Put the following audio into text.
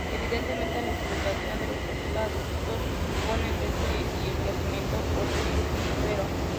Evidentemente, la explotación de los fosfatos pone en riesgo el yacimiento fosilífero.